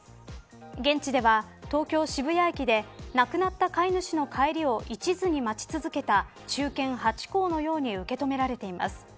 現地では東京、渋谷駅で亡くなった飼い主の帰りをいちずに待ち続けた忠犬ハチ公のように受け止められています。